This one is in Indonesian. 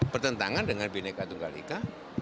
bertentangan dengan bineka tunggal ika